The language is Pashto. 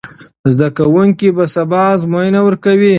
زده کوونکي به سبا ازموینه ورکوي.